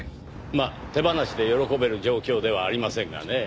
まあ手放しで喜べる状況ではありませんがねぇ。